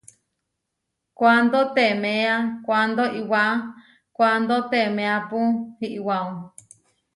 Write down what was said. Kuándo teeméa kuándo iʼwá kuándo teeméapu iʼwao.